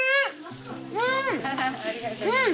うん！